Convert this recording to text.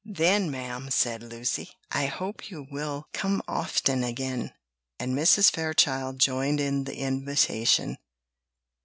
"Then, ma'am," said Lucy, "I hope you will come often again;" and Mrs. Fairchild joined in the invitation.